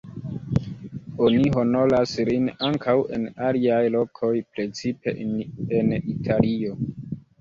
Oni honoras lin ankaŭ en aliaj lokoj, precipe en Italio.